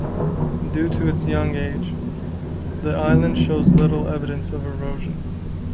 Due to its young age, the island shows little evidence of erosion.